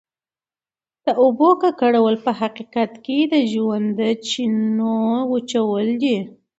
د اوبو ککړول په حقیقت کې د ژوند د چینو وچول دي.